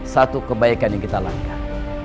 satu kebaikan yang kita lakukan